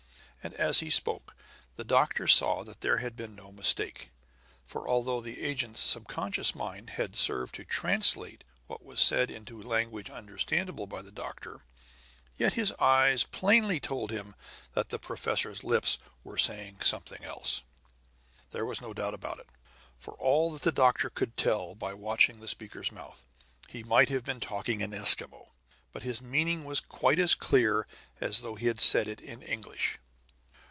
And as he spoke the doctor saw that there had been no mistake. For, although the agent's subconscious mind had served to translate what was said into language understandable by the doctor, yet his eyes plainly told him that the professor's lips were saying something else. There was no doubt about it. For all that the doctor could tell by watching the speaker's mouth, he might have been talking in Eskimo. But his meaning was quite as clear as though he had said it in English.